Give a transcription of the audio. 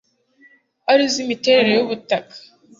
ari zo imiterere y ubutaka